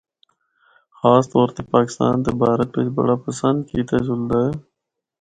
خاص طور تے پاکستان تے بھارت بچ بڑا پسند کیتا جلدا ہے۔